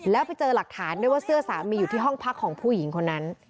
แล้วไปเจอหลักฐานด้วยว่าเสื้อสามีอยู่ที่ห้องพักของผู้หญิงคนนั้น